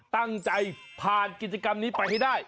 ตั้งใจผ่านกิจกรรมนี้ไปให้ได้